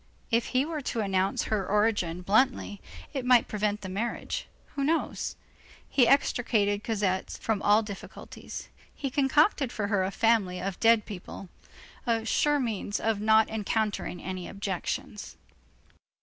If he were to announce her origin bluntly, it might prevent the marriage, who knows? He extricated Cosette from all difficulties. He concocted for her a family of dead people, a sure means of not encountering any objections.